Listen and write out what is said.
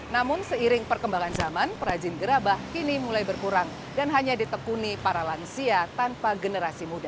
namun seiring perkembangan zaman perajin gerabah kini mulai berkurang dan hanya ditekuni para lansia tanpa generasi muda